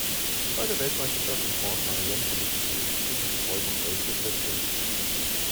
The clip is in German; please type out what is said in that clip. Bei der Weltmeisterschaft in Haute-Maurienne belegte sie in Sprint und Verfolgung elfte Plätze.